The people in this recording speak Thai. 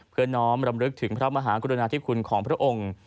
เพื่อน้อมรำลึกถึงพระมหากรุณาธิคุณของพระองค์